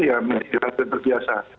ya menjadi terbiasa